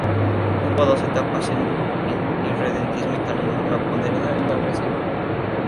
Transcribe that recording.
Hubo dos etapas en el irredentismo italiano: la moderada y la agresiva.